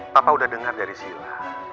papa udah dengar dari sila